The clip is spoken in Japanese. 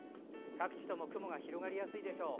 各地とも雲が広がりやすいでしょう。